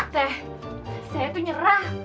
teh saya itu nyerah